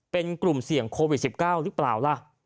เป็นกลุ่มเสี่ยงโควิด๑๙หรือเปล่าล่ะ